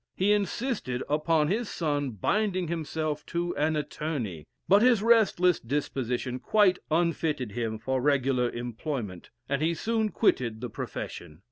He insisted upon his son binding himself to an attorney. But his restless disposition quite unfitted him for regular employment, and he soon quitted the profession.